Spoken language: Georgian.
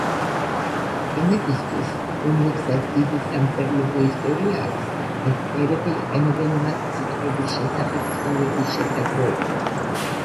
ენებისთვის, რომლებსაც დიდი სამწერლობო ისტორია აქვს, მეცნიერები იყენებენ მათ, სიტყვების შესახებ ცნობების შესაგროვებლად.